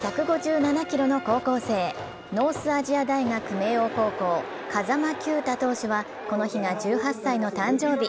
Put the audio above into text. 最速１５７キロの高校生、ノースアジア大学明桜高校・風間球打投手はこの日が１８歳の誕生日。